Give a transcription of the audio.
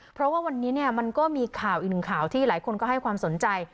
เพราะว่าวันนี้มันก็มีข่าวอีกหนึ่งข่าวที่หลายคนก็ให้ความสนใจ